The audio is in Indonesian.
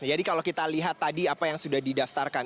jadi kalau kita lihat tadi apa yang sudah didaftarkan